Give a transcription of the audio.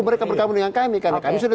mereka bergabung dengan kami karena kami sudah